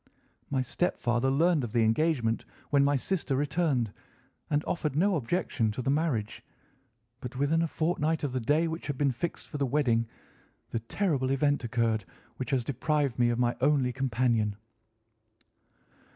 My stepfather learned of the engagement when my sister returned and offered no objection to the marriage; but within a fortnight of the day which had been fixed for the wedding, the terrible event occurred which has deprived me of my only companion."